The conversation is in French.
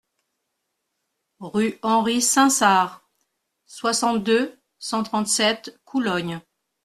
Rue Henry Sainsard, soixante-deux, cent trente-sept Coulogne